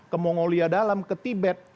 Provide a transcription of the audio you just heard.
ke mongolia dalam ke tibet